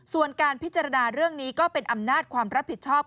ส่วนการพิจารณาเรื่องนี้ก็เป็นอำนาจความรับผิดชอบ